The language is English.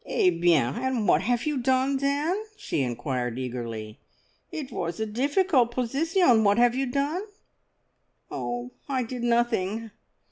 "Eh bien, and what have you done then?" she inquired eagerly. "It was a difficult position. What have you done?" "Oh, I did nothing.